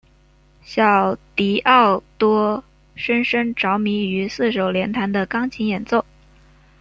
小狄奥多深深着迷于四手联弹的钢琴演奏。